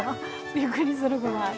びっくりするぐらい。